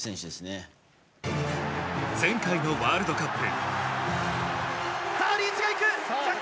前回のワールドカップ。